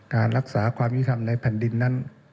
การรักษาความยุทธรรมในแผ่นดินนั้น